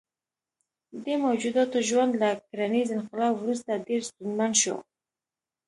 دې موجوداتو ژوند له کرنیز انقلاب وروسته ډېر ستونزمن شو.